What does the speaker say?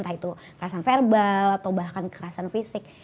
entah itu kekerasan verbal atau bahkan kekerasan fisik